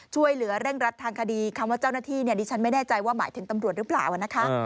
ช่วยเหลือเร่งรัดทางคดีคำว่าเจ้าหน้าที่เนี่ยดิฉันไม่แน่ใจว่าหมายถึงตำรวจหรือเปล่านะคะ